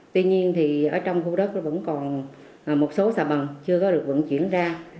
tuy nhiên thì ở trong khu đất vẫn còn một số sạc bẩn chưa có được vận chuyển ra